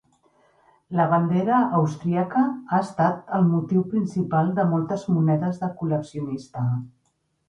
La bandera austríaca ha estat el motiu principal de moltes monedes de col·leccionista.